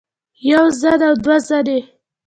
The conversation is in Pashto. يوه زن او دوه زنې